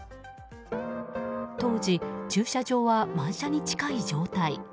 当時、駐車場は満車に近い状態。